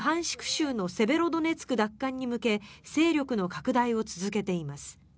州のセベロドネツク奪還に向け勢力の拡大を続けています。